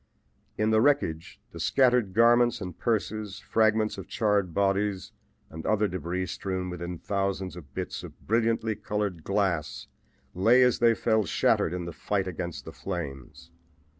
In the wreckage, the scattered garments and purses, fragments of charred bodies and other debris strewn within thousands of bits of brilliantly colored glass, lay as they fell shattered in the fight against the flames.